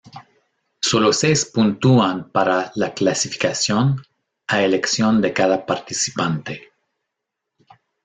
Solo seis puntúan para la clasificación, a elección de cada participante.